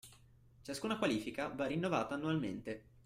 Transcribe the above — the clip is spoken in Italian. Ciascuna qualifica va rinnovata annualmente